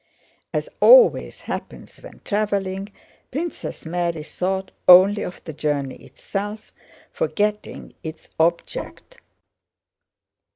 As always happens when traveling, Princess Mary thought only of the journey itself, forgetting its object.